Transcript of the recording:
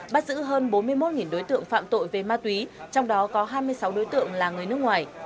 bắt giữ hơn bốn mươi một đối tượng phạm tội về ma túy trong đó có hai mươi sáu đối tượng là người nước ngoài